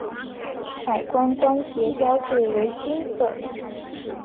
海关关衔标志为金色。